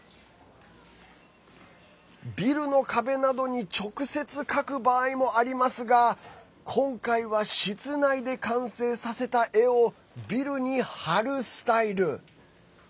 ビルの壁などに直接、描く場合もありますが今回は、室内で完成させた絵をビルに貼るスタイル。